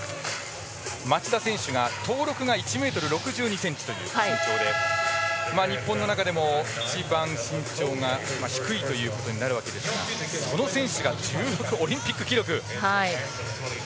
町田選手が登録が１ｍ６２ｃｍという身長で日本の中でも一番身長が低いということになるわけですがその選手がオリンピック記録。